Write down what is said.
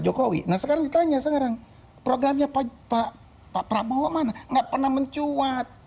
jokowi nah sekarang ditanya sekarang programnya pak pak prabowo mana nggak pernah mencuat